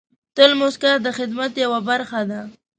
تل موسکا د خدمت یوه برخه ده.